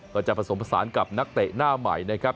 จะผสมผสานกับนักเตะหน้าใหม่นะครับ